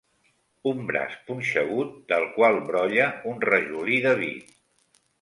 Un braç punxegut del qual brolla un rajolí de vi